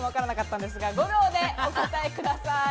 ５秒でお答えください。